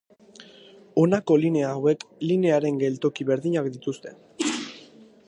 Honako linea hauek linearen geltoki berdinak dituzte.